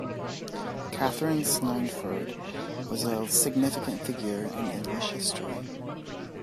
Katherine Swynford was a significant figure in English history.